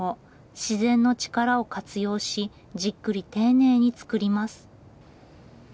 自然の力を活用しじっくり丁寧に造ります。